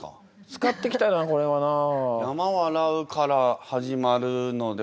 使ってきたなこれはなあ。